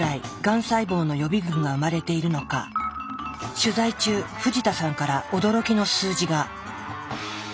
取材中藤田さんから驚きの数字が。